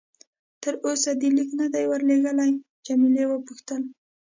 تر اوسه دې لیک نه دی ورلېږلی؟ جميله وپوښتل.